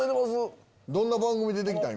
どんな番組出てきたん？